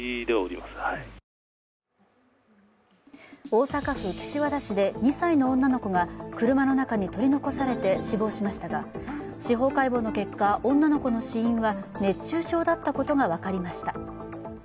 大阪府岸和田市で２歳の女の子が車の中に取り残されて死亡しましたが、司法解剖の結果、女の子の死因は熱中症だったことが分かりました。